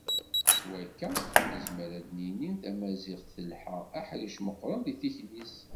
S wakka, nezmer ad d-nini Tamaziɣt telḥa aḥric meqqren deg tikli-s.